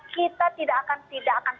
kita tidak akan